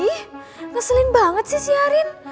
ih ngeselin banget sih si arin